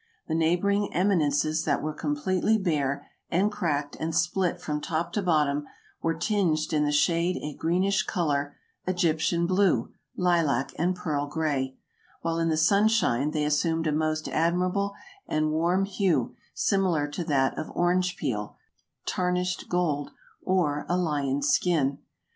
The neighboring eminences that were completely bare, and cracked and split from top to bottom, were tinged in the shade a greenish color, Egyptian blue, lilac, and pearl gray, while in the sunshine they assumed a most admirable and warm hue similar to that of orange peel, tarnished gold, or a lion's skin.